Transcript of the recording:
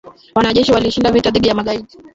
Wanajeshi walishinda vita dhidi ya magaidi